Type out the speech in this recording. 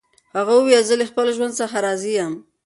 هغه وویل چې زه له خپل ژوند څخه راضي یم.